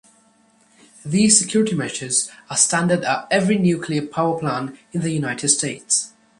These security measures are standard at every nuclear power plant in the United States.